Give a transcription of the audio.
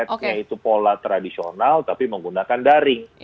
jadi tidak bisa kita mindsetnya itu pola tradisional tapi menggunakan daring